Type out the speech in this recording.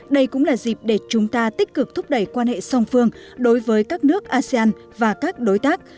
đây cũng là dịp để chúng ta tích cực thúc đẩy quan hệ song phương đối với các nước asean và các đối tác